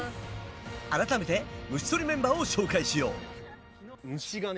改めて虫とりメンバーを紹介しよう！